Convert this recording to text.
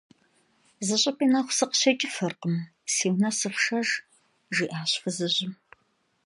- Зыщӏыпӏи нэху сыкъыщекӏыфыркъым, си унэ сыфшэж, – жиӏащ фызыжьым.